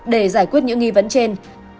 để giải quyết những nghi vấn trên